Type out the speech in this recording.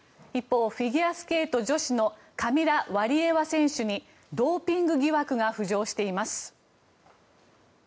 一方、フィギュアスケート女子のカミラ・ワリエワ選手にドーピング疑惑が浮上しています。